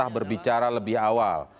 berbicara lebih awal